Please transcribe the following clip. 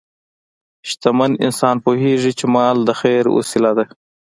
شتمن انسان پوهېږي چې مال د خیر وسیله ده.